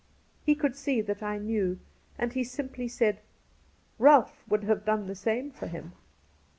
He could see that I knew, and he simply said that " Ralph would have done the same for him."